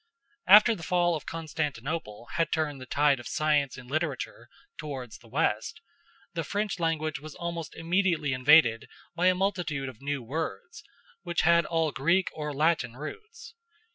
After the fall of Constantinople had turned the tide of science and literature towards the west, the French language was almost immediately invaded by a multitude of new words, which had all Greek or Latin roots.